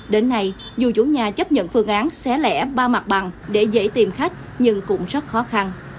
đến nay dù chủ nhà chấp nhận phương án xé lẻ ba mặt bằng để dễ tìm khách nhưng cũng rất khó khăn